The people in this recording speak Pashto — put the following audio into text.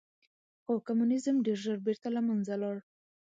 خو کمونیزم ډېر ژر بېرته له منځه لاړ.